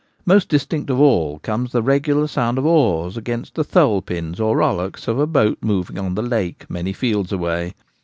Most distinct of all comes the regular sound of oars against the tholepins or rowlocks of a boat moving on the lake many fields away.